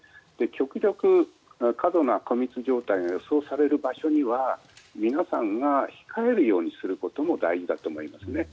極力、過度な過密状態が予想される場所には皆さんが控えるようにすることも大事だと思いますね。